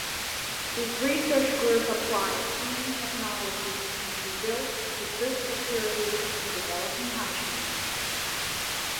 His research group applied gene technology to contribute to food security in developing countries.